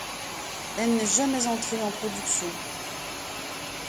Elle n'est jamais entrée en production.